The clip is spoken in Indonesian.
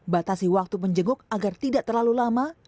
batasi waktu menjenguk agar tidak terlalu lama